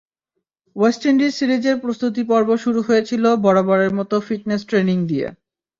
West Indies সিরিজের প্রস্তুতি পর্ব শুরু হয়েছিল বরাবরের মতো ফিটনেস ট্রেনিং দিয়ে।